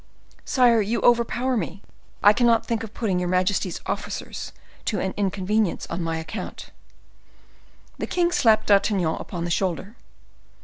"Sire, you overpower me; I cannot think of putting your majesty's officers to inconvenience on my account." The king slapped D'Artagnan upon the shoulder.